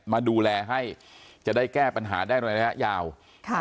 มาดูแลให้จะได้แก้ปัญหาได้ในระยะยาวค่ะ